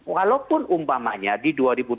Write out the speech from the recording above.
walaupun umpamanya di dua ribu dua puluh